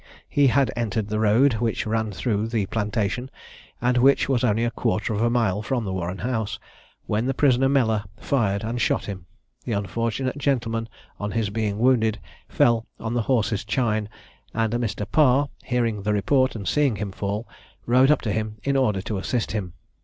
He had entered the road, which ran through the plantation, and which was only a quarter of a mile from the Warren house, when the prisoner Mellor fired and shot him. The unfortunate gentleman on his being wounded fell on his horse's chine, and a Mr. Parr, hearing the report and seeing him fall, rode up to him, in order to assist him.